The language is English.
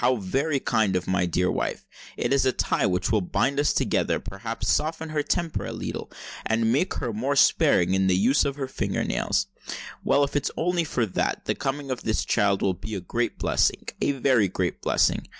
How very kind of my dear wife: it is a tie which will bind us together—perhaps soften her temper a leetle—and make her more sparing in the use of her finger nails. Well—if it's only for that, the coming of this child will be a great blessing—a very great blessing.